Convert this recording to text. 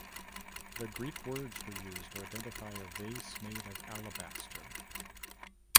The Greek words were used to identify a vase made of alabaster.